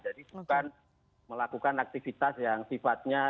jadi bukan melakukan aktivitas yang sifatnya